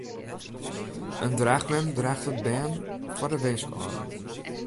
In draachmem draacht in bern foar de winskâlden.